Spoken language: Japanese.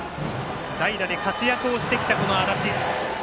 代打で活躍してきた安達。